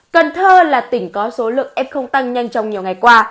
cần thơ là tỉnh có số lượng f tăng nhanh trong nhiều ngày qua